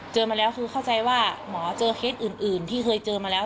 มาแล้วคือเข้าใจว่าหมอเจอเคสอื่นที่เคยเจอมาแล้ว